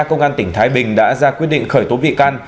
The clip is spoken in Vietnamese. công an tỉnh thái bình đã ra quyết định khởi tố bị can